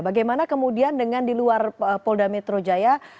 bagaimana kemudian dengan di luar polda metro jaya